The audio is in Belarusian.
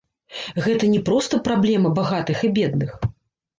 Гэта не проста праблема багатых і бедных.